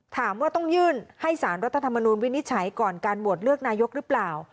ถามว่าต้องยื่นให้สารรัฐธรรมนูลวินิจฉัยก่อนการโหวตเลือกนายกหรือเปล่า